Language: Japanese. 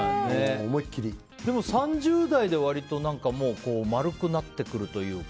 でも３０代で割と丸くなってくるというか。